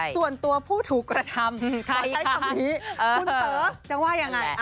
ส่วนตัวผู้ถูกกระทำขอใช้คำนี้คุณเต๋อจะว่ายังไง